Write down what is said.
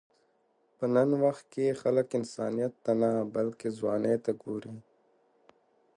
په نن وخت کې خلک انسانیت ته نه، بلکې ځوانۍ ته ګوري.